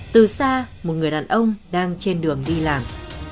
từ xa một người đàn ông đang trên đường đi làng